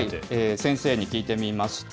先生に聞いてみました。